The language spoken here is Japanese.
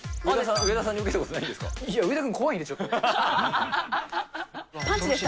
上田さんに受けたことないんですか？